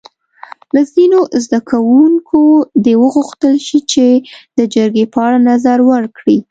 له ځینو زده کوونکو دې وغوښتل شي چې د جرګې په اړه نظر ورکړي.